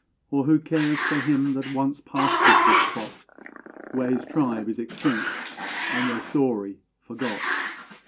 Or who cares for him that once pastured this spot, Where his tribe is extinct and their story forgot?